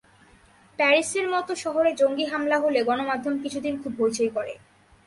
প্যারিসের মতো শহরে জঙ্গি হামলা হলে গণমাধ্যম কিছুদিন খুব হইচই করে।